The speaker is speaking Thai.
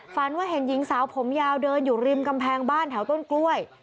ฝันว่าเห็นหญิงสาวผมยาวเดินอยู่ริมกำแพงบ้านแถวต้นกล้วย